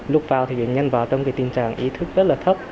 lúc vào thì bệnh nhân vào trong tình trạng ý thức rất là thấp